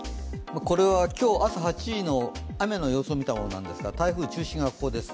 これは今日朝８時の雨の様子を見たものなんですが台風、中心側がここです。